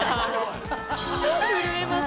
震えます。